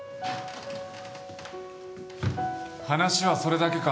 話はそれだけか？